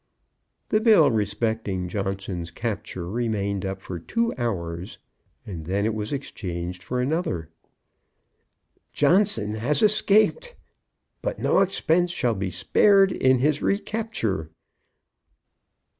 The bill respecting Johnson's capture remained up for two hours, and then it was exchanged for another; Johnson has escaped, but no expense shall be spared in his recapture.